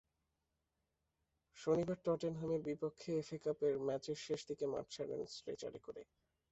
শনিবার টটেনহামের বিপক্ষে এফএ কাপের ম্যাচের শেষ দিকে মাঠ ছাড়েন স্ট্রেচারে করে।